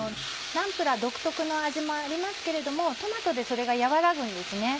ナンプラー独特の味もありますけれどもトマトでそれが和らぐんです。